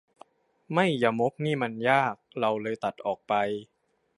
ไม่ยมกนี่มันยาก เราเลยตัดออกไป